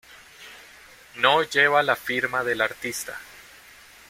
No lleva la firma del artista.